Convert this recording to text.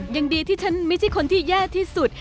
ยังดีที่ฉันไม่ใช่คนที่แย่ที่สุด